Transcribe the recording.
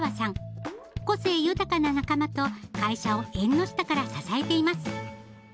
個性豊かな仲間と会社を縁の下から支えています。